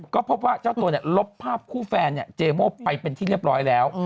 ก็พบว่าเจ้าตัวลบภาพคู่แฟนเจโม่ไปเป็นที่เรียบร้อยแล้ว